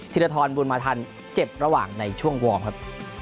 ธิรทรบุญมาทันเจ็บระหว่างในช่วงวอร์มครับ